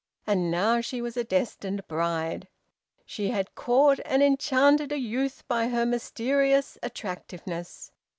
And now she was a destined bride. She had caught and enchanted a youth by her mysterious attractiveness.